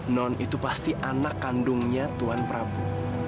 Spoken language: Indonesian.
non itu pasti anak kandungnya tuan prabu